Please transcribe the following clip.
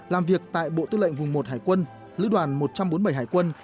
làm việc tại bộ tư lệnh vùng một hải quân lữ đoàn một trăm bốn mươi bảy hải quân